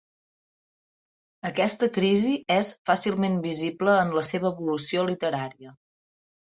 Aquesta crisi és fàcilment visible en la seva evolució literària.